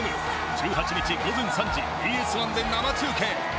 １８日午前３時ＢＳ１で生中継。